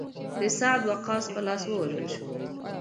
د سعد وقاص په لاس ووژل شو.